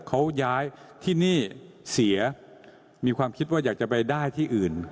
เขาย้ายที่นี่เสียมีความคิดว่าอยากจะไปได้ที่อื่น